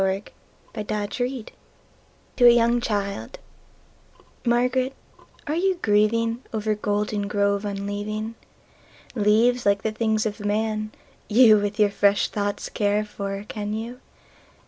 Spring and Fall to a young childMÁRGARÉT, áre you gríevingOver Goldengrove unleaving? Leáves, líke the things of man, youWith your fresh thoughts care for, can you?